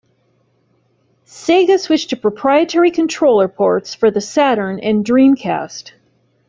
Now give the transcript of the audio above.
Sega switched to proprietary controller ports for the Saturn and Dreamcast.